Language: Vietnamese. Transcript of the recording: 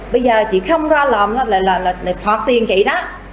bây giờ chị không ra lòm là phạt tiền chị đó